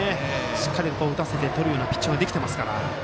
しっかりと打たせてとるピッチングできてますから。